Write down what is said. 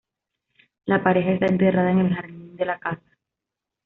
La pareja está enterrada en el jardín de la casa.